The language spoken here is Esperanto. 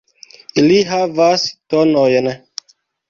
Ili havas tonojn.